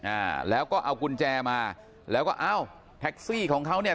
อ่าแล้วก็เอากุญแจมาแล้วก็อ้าวแท็กซี่ของเขาเนี่ย